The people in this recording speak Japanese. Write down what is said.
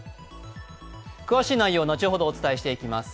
詳しい内容は後ほどお伝えしていきます。